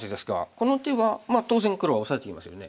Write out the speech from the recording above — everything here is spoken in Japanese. この手はまあ当然黒はオサえてきますよね。